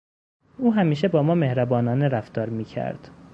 او همیشه با ما مهربانانه رفتار میکرد.